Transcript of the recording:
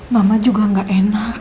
mama juga gak enak